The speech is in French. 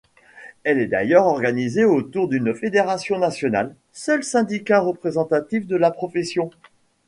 Elle est d'ailleurs organisée autour d'une fédération nationale, seul syndicat représentatif de la profession.